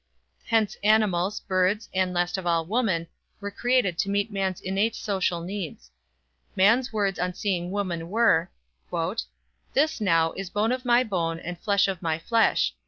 Hence animals, birds, and, last of all, woman, were created to meet man's innate social needs. Man's words on seeing woman were: "This, now, is bone of my bone And flesh of my flesh.